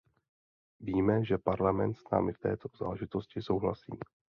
Víme, že Parlament s námi v této záležitosti souhlasí.